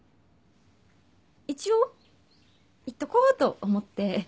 一応言っとこうと思って。